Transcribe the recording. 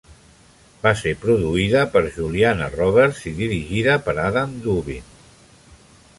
Va ser produïda per Juliana Roberts i dirigida per Adam Dubin.